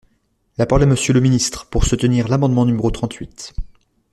La parole est à Monsieur le ministre, pour soutenir l’amendement numéro trente-huit.